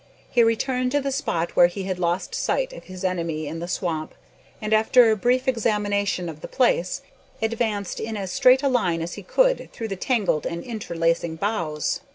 He returned to the spot where he had lost sight of his enemy in the swamp, and, after a brief examination of the place, advanced in as straight a line as he could through the tangled and interlacing boughs.